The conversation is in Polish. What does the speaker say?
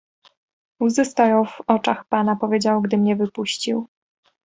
"Łzy stoją w oczach pana, powiedział, gdy mnie wypuścił."